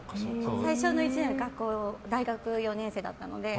最初の１年は大学４年生だったので。